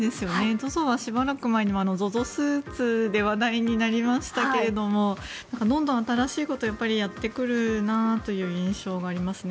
ＺＯＺＯはしばらく前にＺＯＺＯスーツで話題になりましたがどんどん新しいことをやってくるなという印象がありますね。